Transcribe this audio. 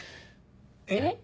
えっ？